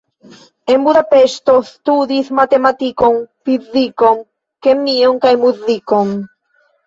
En Budapeŝto studis matematikon, fizikon, kemion kaj muzikon.